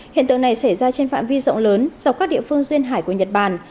hiện tượng này xảy ra trên phạm vi rộng lớn dọc các địa phương duyên hải của nhật bản